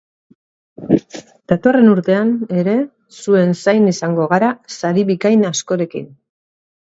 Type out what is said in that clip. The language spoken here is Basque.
Datorren urtean ere zuen zain izango gara, sari bikain askorekin!